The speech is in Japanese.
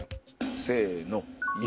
せの。